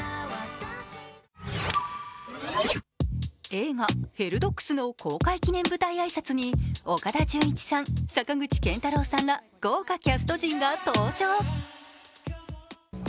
映画「ヘルドッグス」の公開舞台挨拶に岡田准一さん、坂口健太郎さんら豪華キャスト陣が登場。